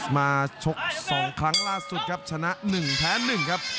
ชก๒ครั้งล่าสุดครับชนะ๑แพ้๑ครับ